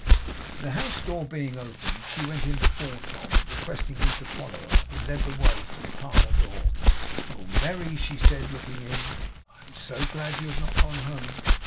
The house door being opened, she went in before Tom, requesting him to follow her; and led the way to the parlour door. 'Oh, Merry!' she said, looking in, 'I am so glad you have not gone home.